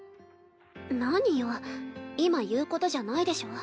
何よ今言うことじゃないでしょ。